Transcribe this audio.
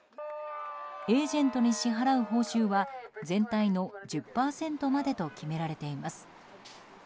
エージェントに支払う報酬は全体の１０％までと決められています。